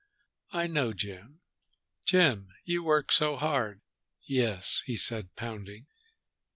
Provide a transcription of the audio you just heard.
"I know Jim. Jim, you work so hard!" "Yes!" he said, pounding.